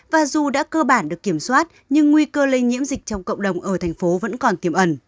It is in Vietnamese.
và dù đã cơ bản được kiểm soát nhưng nguy cơ lây nhiễm dịch trong cộng đồng ở thành phố vẫn còn tiềm ẩn